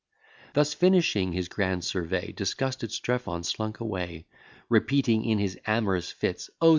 Thus finishing his grand survey, Disgusted Strephon slunk away; Repeating in his amorous fits, "Oh!